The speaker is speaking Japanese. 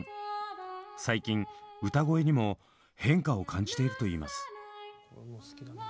最近歌声にも変化を感じているといいます。